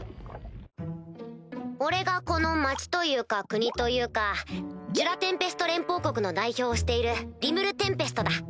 俺がこの町というか国というかジュラ・テンペスト連邦国の代表をしているリムル＝テンペストだ。